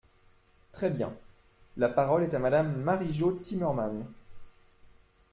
Très bien ! La parole est à Madame Marie-Jo Zimmermann.